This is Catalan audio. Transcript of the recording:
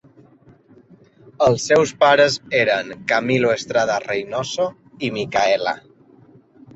Els seus pares eren Camilo Estrada Reynoso i Micaela.